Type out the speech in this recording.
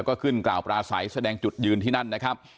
ก็ขึ้นกล่าวปราศัยแสดงจุดยืนที่นั่นนะครับ